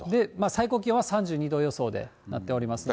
最高気温は３２度予想でなっておりますので。